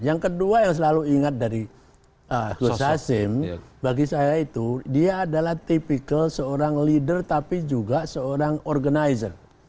yang kedua yang selalu ingat dari gus hasim bagi saya itu dia adalah tipikal seorang leader tapi juga seorang organizer